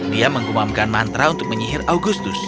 dia menggumamkan mantra untuk menyihir agustus